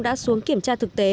đã xuống kiểm tra thực tế